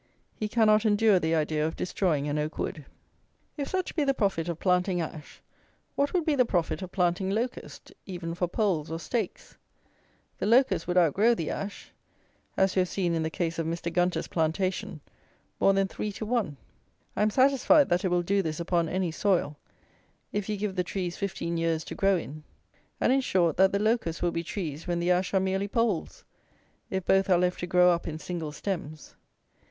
He cannot endure the idea of destroying an oak wood. If such be the profit of planting ash, what would be the profit of planting locust, even for poles or stakes? The locust would outgrow the ash, as we have seen in the case of Mr. Gunter's plantation, more than three to one. I am satisfied that it will do this upon any soil, if you give the trees fifteen years to grow in; and, in short, that the locusts will be trees when the ash are merely poles, if both are left to grow up in single stems.